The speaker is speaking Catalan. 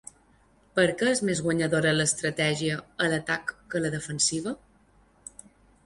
Per què és més guanyadora l’estratègia a l’atac que la defensiva?